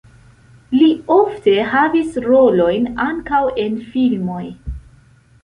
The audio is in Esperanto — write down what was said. Li ofte havis rolojn ankaŭ en filmoj.